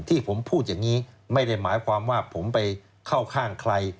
ที่ผมพูดอย่างนี้ไม่ได้หมายความว่าผมไปเข้าข้างใคร